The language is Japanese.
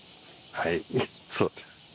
はいそうです。